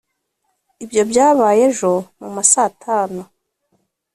Ibyo byabaye ejo mu ma saa tanu